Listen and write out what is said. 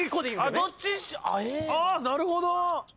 あなるほど。